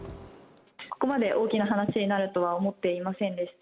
ここまで大きな話になるとは思っていませんでした。